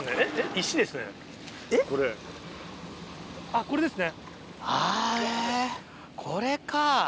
あっこれですね。あっえ！